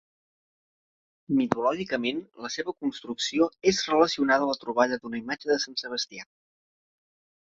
Mitològicament, la seva construcció és relacionada a la troballa d'una imatge de Sant Sebastià.